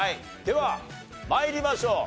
では参りましょう。